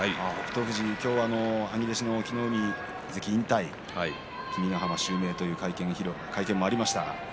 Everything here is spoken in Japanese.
富士、今日は兄弟子の隠岐の海関引退君ヶ濱襲名という会見もありました。